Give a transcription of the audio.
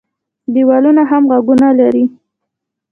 ـ دیوالونه هم غوږونه لري.